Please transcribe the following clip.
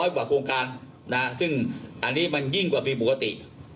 กว่าโครงการซึ่งอันนี้มันยิ่งกว่าปีปกติ